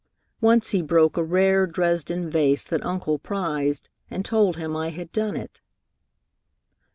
Once he broke a rare Dresden vase that Uncle prized, and told him I had done it.